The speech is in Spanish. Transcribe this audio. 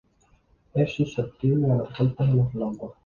Es susceptible a los golpes de los relámpagos.